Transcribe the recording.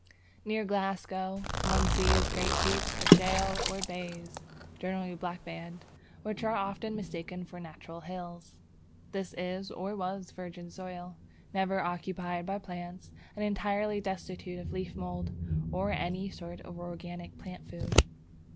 Near Glasgow one sees great heaps of shale or blaes (generally blackband), which are often mistaken for natural hills. This is or was virgin soil, never occupied by plants, and entirely destitute of leaf mould or any sort of organic plant food.